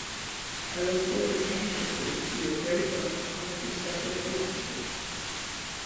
I look forward anxiously to your great book on the constructive philosophy.